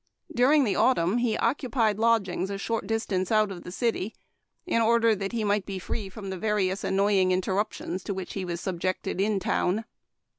During the autumn he occupied lodgings a short dis tance out of the city, in order that he might be free from the various annoying interruptions to which he was subjected in town.